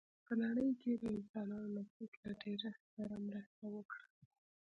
په نړۍ کې یې د انسانانو نفوس له ډېرښت سره مرسته وکړه.